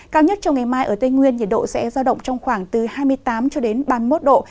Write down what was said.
cao nhất trong ngày mai ở tây nguyên nhiệt độ sẽ giao động trong khoảng từ hai mươi tám cho đến ba mươi một độ